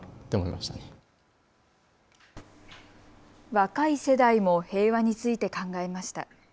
若い世代も平和について考えました。